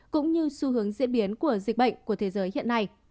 cũng như xu hướng diễn biến của dịch bệnh của thế giới hiện nay